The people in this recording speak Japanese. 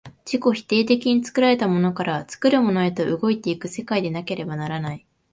自己否定的に作られたものから作るものへと動いて行く世界でなければならない。